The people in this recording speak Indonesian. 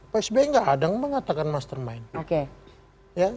pak sby tidak kadang mengatakan mastermind